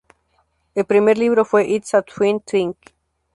El primer libro fue "It's a Twin Thing".